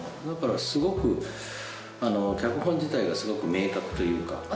だから脚本自体がすごく明確というか。